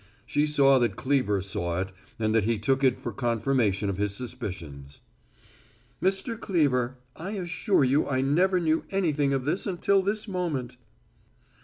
She saw that Cleever saw it, and that he took it for confirmation of his suspicions. "Mr. Cleever, I assure you I never knew anything of this until this moment."